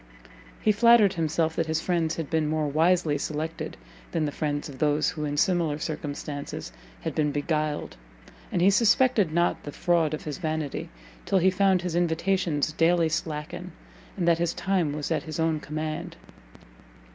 he flattered himself that his friends had been more wisely selected than the friends of those who in similar circumstances had been beguiled, and he suspected not the fraud of his vanity, till he found his invitations daily slacken, and that his time was at his own command.